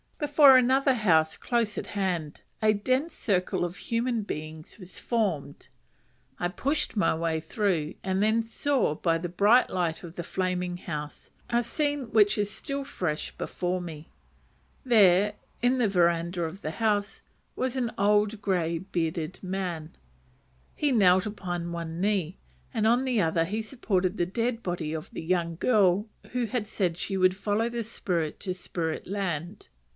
Before another house, close at hand, a dense circle of human beings was formed. I pushed my way through, and then saw, by the bright light of the flaming house, a scene which is still fresh before me: there, in the verandah of the house, was an old grey bearded man; he knelt upon one knee, and on the other he supported the dead body of the young girl who had said she would follow the spirit to spirit land.